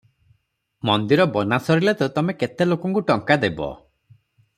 ମନ୍ଦିର ବନାସରିଲେ ତ ତମେ କେତେ ଲୋକଙ୍କୁ ଟଙ୍କା ଦବ ।